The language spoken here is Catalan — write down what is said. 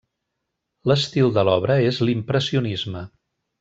L'estil de l'obra és l'impressionisme.